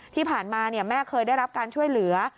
ที่ผ่านมาแม่เคยได้รับการช่วยเหลือ